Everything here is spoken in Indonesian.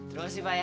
terus sih pak ya